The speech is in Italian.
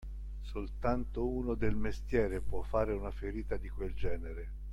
Soltanto uno del mestiere può fare una ferita di quel genere.